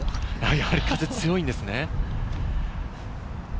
やはり風が強いんですね。